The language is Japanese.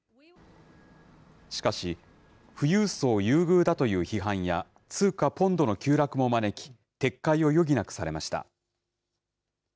しかし、富裕層優遇だという批判や、通貨ポンドの急落も招き、撤回を余儀なくされました。